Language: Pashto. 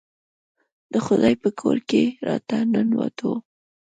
د خدای په کور کې راته ننوتو.